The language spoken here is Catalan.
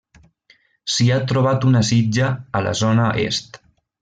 S’hi ha trobat una sitja a la zona est.